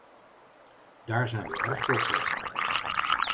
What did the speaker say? Daar zijn we erg trots op.